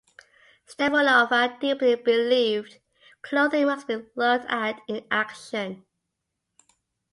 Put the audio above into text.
Stepanova deeply believed clothing must be looked at in action.